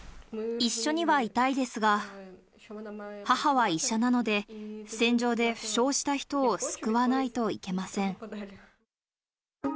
一緒にはいたいですが、母は医者なので、戦場で負傷した人を救わないといけません。